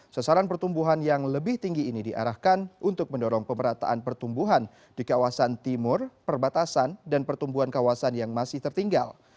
sasaran pertumbuhan yang lebih tinggi ini diarahkan untuk mendorong pemerataan pertumbuhan di kawasan timur perbatasan dan pertumbuhan kawasan yang masih tertinggal